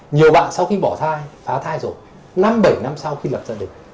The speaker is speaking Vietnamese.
nhiều bạn sau khi bỏ thai phá thai rồi năm bảy năm sau khi lập gia đình